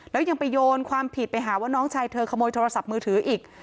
แล้วยังไปโยนความผิดไปหาว่าน้องชายเธอขโมยโทรศัพท์มือถืออีก